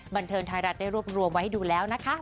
บันเทิงไทยรัฐได้รวบรวมไว้ให้ดูแล้วนะคะ